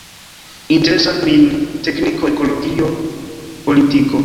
Interesas min tekniko, ekologio, politiko.